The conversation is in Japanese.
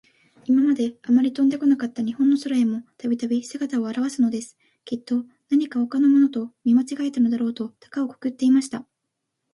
いままで、あまり飛んでこなかった日本の空へも、たびたび、すがたをあらわすのです。きっと、なにかほかのものと、見まちがえたのだろうと、たかをくくっていました。